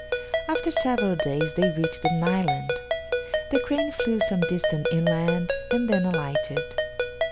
After several days they reached an island. The crane flew some distance inland and then alighted.